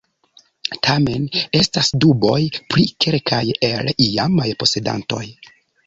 Tamen estas duboj pri kelkaj el la iamaj posedantoj.